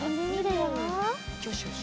よしよし！